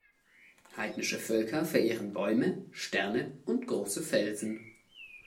Heidnische Völker verehrten Bäume, Sterne und große Felsen.